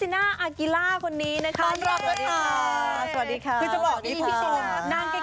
ไม่กี่ปีไม่กี่ปี